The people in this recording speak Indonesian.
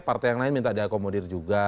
partai yang lain minta diakomodir juga